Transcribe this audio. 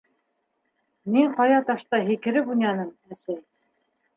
- Мин ҡая ташта һикереп уйнаным, әсәй.